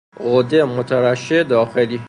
غده مترشح داخلی